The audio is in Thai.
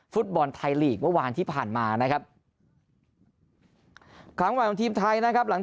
ฟุตบอลไทยลีกเมื่อวานที่ผ่านมานะครับครั้งใหม่ของทีมไทยนะครับหลัง